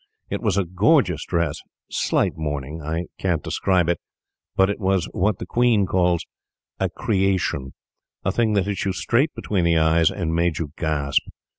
It was a gorgeous dress slight mourning. I can't describe it, but it was what The Queen calls "a creation" a thing that hit you straight between the eyes and made you gasp.